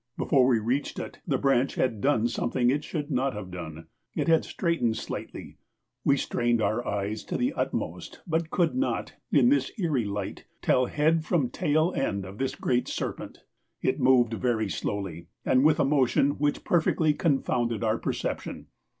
Before we reached it, the branch had done something it should not have done it had straightened slightly. We strained our eyes to the utmost but could not, in this eerie light, tell head from tail end of this great serpent. It moved very slowly, and with a motion which perfectly confounded our perception.